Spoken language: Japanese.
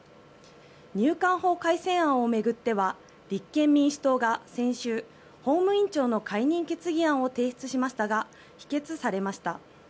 入管法改正案を巡っては立憲民主党が先週法務委員長の解任決議案を提出しましたが否決されました。